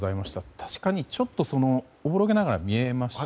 確かに、ちょっとおぼろげながら見えましたね。